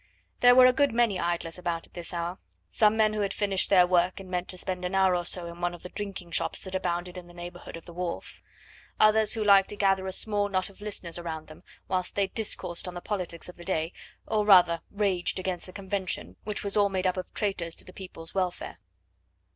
There were a good many idlers about at this hour; some men who had finished their work, and meant to spend an hour or so in one of the drinking shops that abounded in the neighbourhood of the wharf; others who liked to gather a small knot of listeners around them, whilst they discoursed on the politics of the day, or rather raged against the Convention, which was all made up of traitors to the people's welfare.